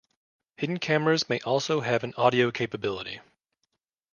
Hidden cameras may also have an audio capability.